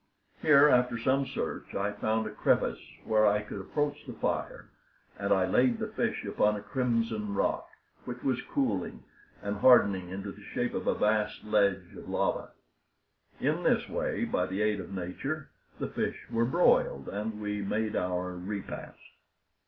Here, after some search, I found a crevice where I could approach the fire, and I laid the fish upon a crimson rock, which was cooling and hardening into the shape of a vast ledge of lava. In this way, by the aid of nature, the fish were broiled, and we made our repast.